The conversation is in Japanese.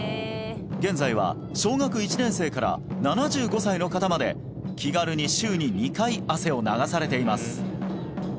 現在は小学１年生から７５歳の方まで気軽に週に２回汗を流されています